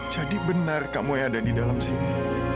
jadi benar kamu yang ada di dalam sini